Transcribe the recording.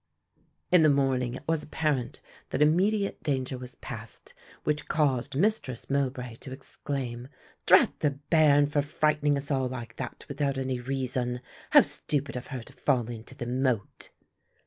In the morning it was apparent that immediate danger was passed, which caused Mistress Mowbray to exclaim, "Drat the bairn for frightening us all like that without any reason. How stupid of her to fall into the moat."